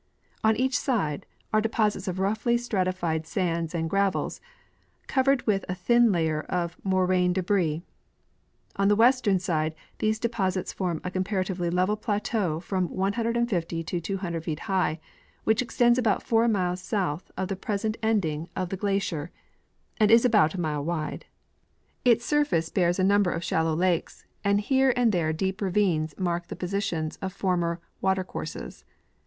On each side are deposits of roughly stratified sands and gravels, covered with a thin layer of moraine debris. On the western side these deposits form a comparatively level plateau from 150 to 200 feet high, which extends about four miles south of the present ending of the gla * Op. cit., p. 82. 26 II. F. Rcid — Studies of Muir Glacier. cier, and is about a mile wide. Its surface bears a number of shallow lakes ; and here and there deep ravines mark the posi tions of former watercourses.